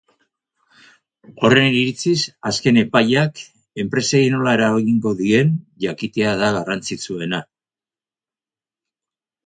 Horren iritziz, azken epaiak enpresei nola eragingo dien jakitea da garrantzitsuena.